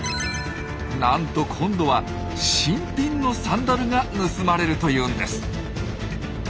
なんと今度は新品のサンダルが盗まれるというんです。